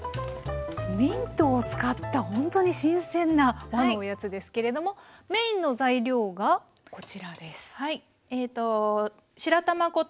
ミントを使ったほんとに新鮮な和のおやつですけれどもメインの材料がこちらです。